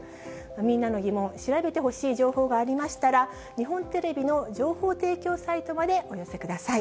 みんなのギモン、調べてほしい情報がありましたら、日本テレビの情報提供サイトまでお寄せください。